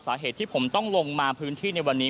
สาเหตุที่ผมต้องลงมาพื้นที่ในวันนี้